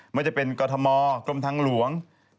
มันจะเป็นกฏธมกรมทางหลวง